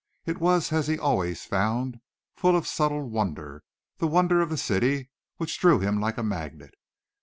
It was as he had always found, full of a subtle wonder, the wonder of the city, which drew him like a magnet.